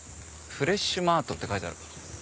「フレッシュマート」って書いてある。